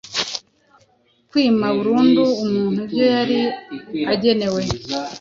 Kwima burundu umuntu ibyo yari agenewe